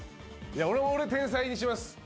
いや俺も天才にします